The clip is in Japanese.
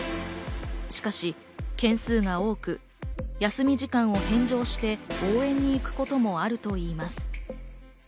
しかし件数が多く、休み時間を返上して応援に行くこともあるといいます。